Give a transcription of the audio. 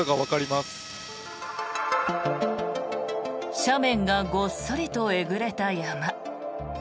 斜面がごっそりとえぐれた山。